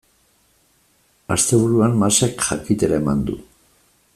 Asteburuan Masek jakitera eman du.